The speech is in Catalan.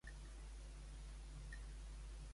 "Barcelona" és una cançó meravellosa.